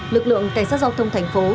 lực lượng cảnh sát giao thông thành phố